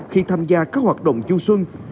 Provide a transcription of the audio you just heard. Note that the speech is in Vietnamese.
khi tham gia các hoạt động du xuân